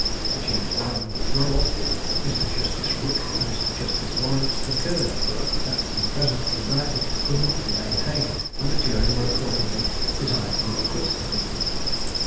The Chief Baron Macdonald, Mr. Justice Rooke, and Mr. Justice Lawrence concurred, that the present indictment could not be maintained; and the jury were accordingly desired to acquit the prisoner.